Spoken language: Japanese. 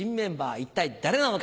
一体誰なのか。